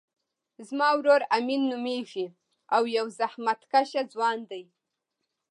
زما ورور امین نومیږی او یو زحمت کښه ځوان دی